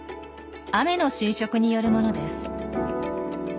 雨の浸食によるものです。